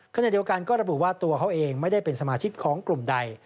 ขณะเดียวกันก็ระบุว่าตัวเขาเองไม่ได้เป็นสมาชิกของกลุ่มใด